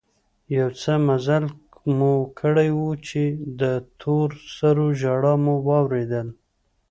يو څه مزل مو کړى و چې د تور سرو ژړا مو واورېدل.